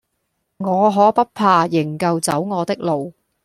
我可不怕，仍舊走我的路。